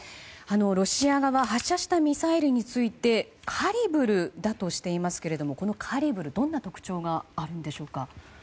ロシア側が発射したミサイルについてカリブルだとしていますけどこのカリブルはどんな特徴があるんでしょうか。